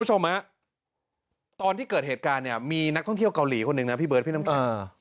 คุณผู้ชมฮะตอนที่เกิดเหตุการณ์เนี่ยมีนักท่องเที่ยวเกาหลีคนหนึ่งนะพี่เบิร์ดพี่น้ำแข็ง